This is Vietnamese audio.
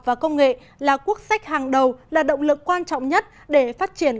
và công nghệ là quốc sách hàng đầu là động lực quan trọng nhất để phát triển